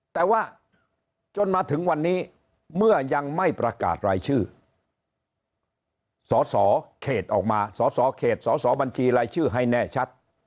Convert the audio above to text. แต่ว่าจนมาถึงวันนี้เมื่อยังไม่ประกาศรายชื่อสสเขตออกมาสอสอเขตสอสอบัญชีรายชื่อให้แน่ชัด